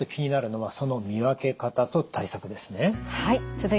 はい。